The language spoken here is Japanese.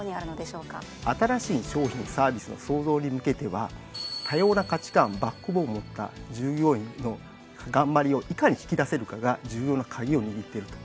新しい商品サービスの創造に向けては多様な価値観バックボーンを持った従業員の頑張りをいかに引き出せるかが重要な鍵を握っていると思っています。